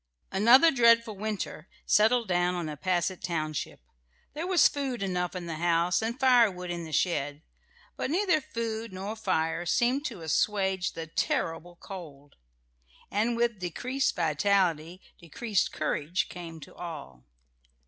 Another dreadful winter settled down on Nepasset township. There was food enough in the house and firewood in the shed; but neither food nor fire seemed to assuage the terrible cold, and with decreased vitality decreased courage came to all.